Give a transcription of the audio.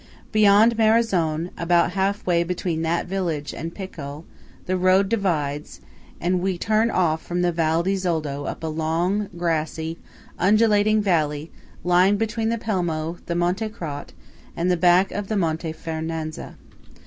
Beyond Marezon, about half way between that village and Pecol, the roads divide, and we turn off from the Val di Zoldo up a long, grassy, undulating valley lying between the Pelmo, the Monte Crot, and the back of the Monte Fernazza.